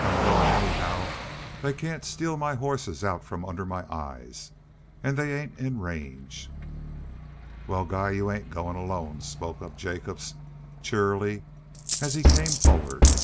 "I'm goin', anyhow. They can't steal my hosses out from under my eyes. An' they ain't in range." "Wal, Guy, you ain't goin' alone," spoke up Jacobs, cheerily, as he came forward.